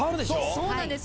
そうなんです。